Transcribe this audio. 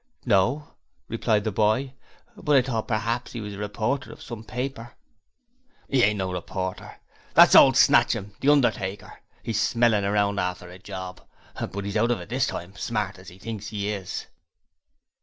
'No,' replied the boy; 'but I thought p'raps he was a reporter of some paper. ''E ain't no reporter: that's old Snatchum the undertaker. 'E's smellin' round after a job; but 'e's out of it this time, smart as 'e thinks 'e is.'